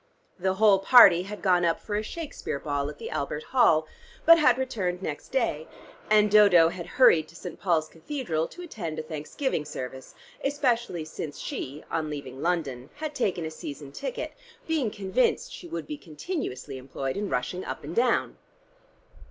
The whole party had gone up for a Shakespeare ball at the Albert Hall, but had returned next day, and Dodo had hurried to St. Paul's Cathedral to attend a thanksgiving service, especially since she, on leaving London, had taken a season ticket, being convinced she would be continuously employed in rushing up and down.